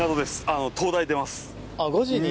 ５時に。